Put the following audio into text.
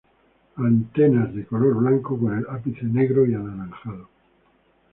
Antenas de color blanco con el ápice negro y anaranjado.